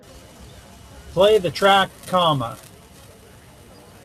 Play the track Coma